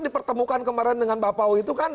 dipertemukan kemarin dengan bapak u itu kan